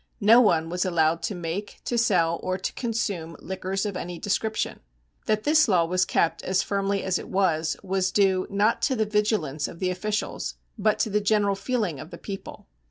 No one was allowed to make, to sell, or to consume, liquors of any description. That this law was kept as firmly as it was was due, not to the vigilance of the officials, but to the general feeling of the people.